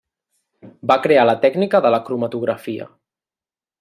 Va crear la tècnica de la cromatografia.